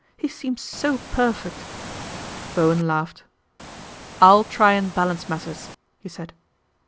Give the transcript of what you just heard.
He seems so per feet." Bowen laughed. " I'll try and balance matters/' he said.